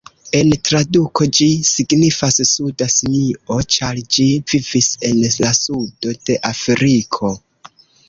En traduko ĝi signifas "suda simio", ĉar ĝi vivis en la sudo de Afriko.